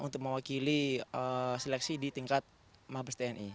untuk mewakili seleksi di tingkat mabes tni